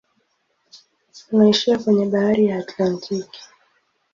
Unaishia kwenye bahari ya Atlantiki.